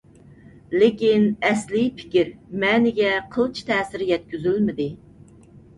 لېكىن، ئەسلىي پىكىر، مەنىگە قىلچە تەسىر يەتكۈزۈلمىدى.